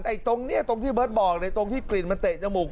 ตรงนี้ตรงที่เบิร์ตบอกในตรงที่กลิ่นมันเตะจมูก